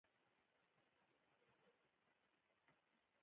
افغانستان کې د قومونه د پرمختګ لپاره ګټورې هڅې روانې دي.